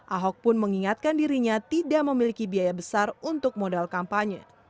ahok pun mengingatkan dirinya tidak memiliki biaya besar untuk modal kampanye